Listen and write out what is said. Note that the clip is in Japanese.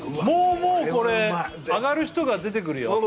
もうもうこれ上がる人が出てくるよ